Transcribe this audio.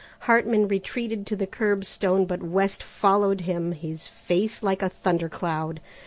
Hartman retreated to the curbstone, but West followed him, his face like a thunder cloud.